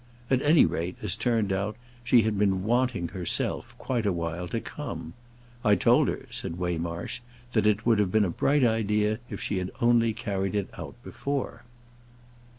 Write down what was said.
At any rate, as turned out, she had been wanting herself, quite a while, to come. "I told her," said Waymarsh, "that it would have been a bright idea if she had only carried it out before."